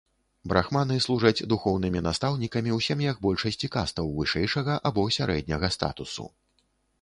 Брахманы служаць духоўнымі настаўнікамі ў сем'ях большасці кастаў вышэйшага або сярэдняга статусу.